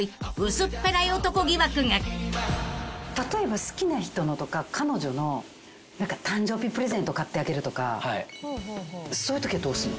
例えば好きな人のとか彼女の誕生日プレゼント買ってあげるとかそういうときはどうすんの？